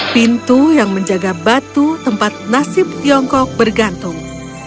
pintu yang menjaga batu tempat nasib tiongkok bergantung